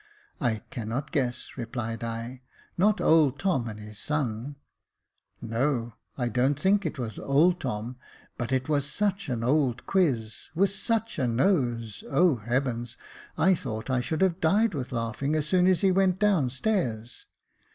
*' I cannot guess," replied L Not old Tom and his son ?"" No ; I don't think it was old Tom, but it was such an old quiz — with such a nose — O heavens ! I thought I should have died with laughing as soon as he went down stairs.